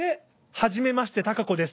はじめましてたかこです。